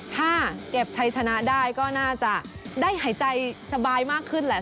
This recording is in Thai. ถ้าเก็บชัยชนะได้ก็น่าจะได้หายใจสบายมากขึ้นแหละ